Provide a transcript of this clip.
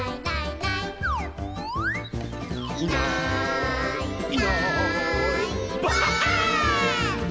「いないいないばあっ！」